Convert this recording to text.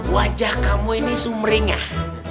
wajah kamu ini sumringah